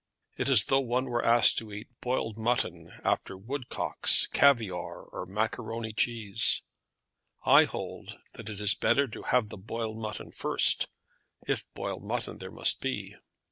It is as though one were asked to eat boiled mutton after woodcocks, caviare, or maccaroni cheese. I hold that it is better to have the boiled mutton first, if boiled mutton there must be.